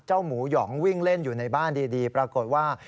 หมูหยองวิ่งเล่นอยู่ในบ้านดีปรากฏว่า